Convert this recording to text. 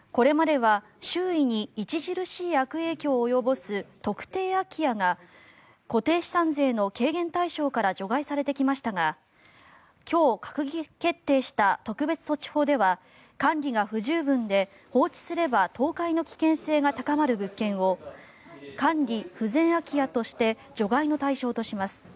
これまでは周囲に著しい悪影響を及ぼす特定空き家が固定資産税の軽減対象から除外されてきましたが今日、閣議決定した特別措置法では管理が不十分で、放置すれば倒壊の危険性が高まる物件を管理不全空き家として除外の対象とします。